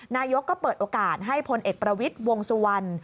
นายกก็เปิดโอกาสให้พลเอกประวิทย์วงสุวรรณ